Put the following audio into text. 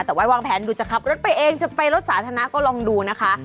แต่ว่าวางแผนดูจะขับรถไปเองจะไปรถสาธารณะก็ลองดูนะคะ